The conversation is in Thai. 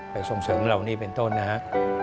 ส่งเสริมเรานี่เป็นต้นนะครับ